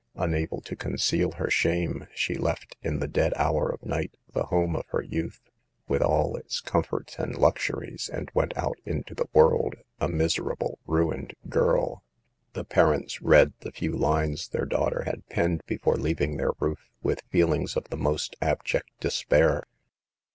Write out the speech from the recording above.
Unable to conceal her shame, she left, in the dead hour of night, the home of her youth, with all its comforts and luxuries, and went out into the world, a miserable, ruined girl. The parents read the few lines their daughter had.penned before leaving their roof, with feelings of the most abject despair.